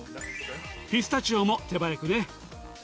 ピスタチオも手早くね。